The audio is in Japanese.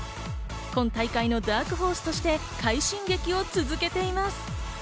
今大会のダークホースとして快進撃を続けています。